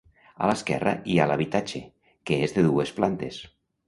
A l'esquerra hi ha l'habitatge, que és de dues plantes.